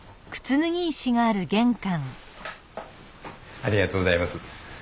ありがとうございます。